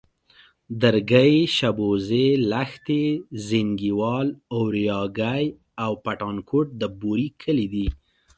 درگۍ، شبوزې، لښتي، زينگيوال، اورياگی او پټانکوټ د بوري کلي دي.